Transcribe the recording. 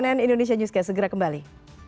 cnn indonesia newscast segera kembali